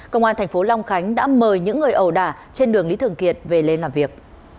công an thành phố long khánh đã mời những người ẩu đả trên đường lý thường kiệt về lên làm việc